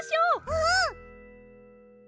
うん！